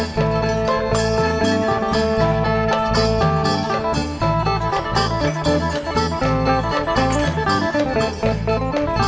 โชว์ฮีตะโครน